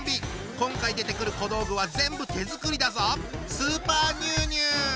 今回出てくる小道具は全部手作りだぞ。